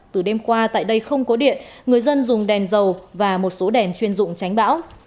từ đêm qua tại đây không có điện người dân dùng đèn dầu và một số đèn chuyên dụng tránh bão